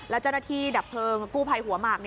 และเจ้าหน้าที่ดับเพลิงกู้ภัยหัวหมาก